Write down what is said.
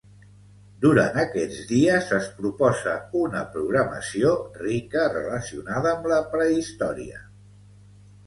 Durant aquests dies es proposa una programació rica relacionada amb la prehistòria.